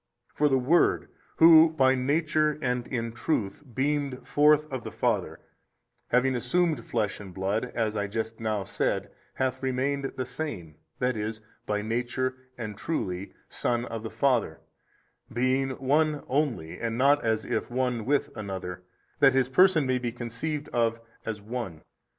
For the Word Who by Nature and in truth beamed forth of the Father, having assumed flesh and blood, as I just now said, hath remained the Same, that is, by Nature and truly Son of the Father, being One Only and not as if one with another, that His Person may be conceived of as One.